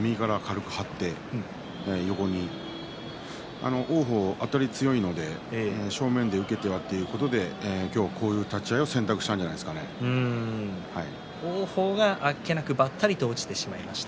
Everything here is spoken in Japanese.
持ち味の１つというか持ち味というと変ですけど右から軽く張って王鵬は、あたりが強いので正面で受けてはということで今日こういう立ち合いを王鵬があっけなくばったりと落ちてしまいました。